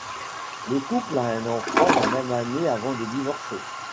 Le couple a un enfant la même année avant de divorcer.